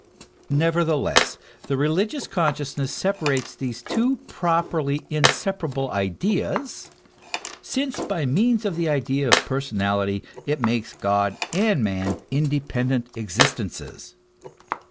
Nevertheless, the re ligious consciousness separates these two properly inseparable sides, since by means of the idea of personality it makes God and man independent existences.